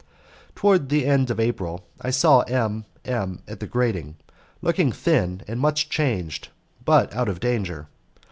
Towards the end of April I saw M. M. at the grating, looking thin and much changed, but out of danger.